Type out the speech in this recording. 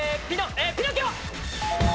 ピノキオ！